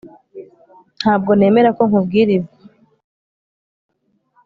ntabwo nemera ko nkubwira ibi